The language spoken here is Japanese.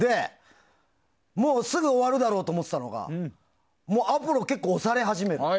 もうすぐ終わるだろうと思っていたのがアポロ、結構押され始めるの。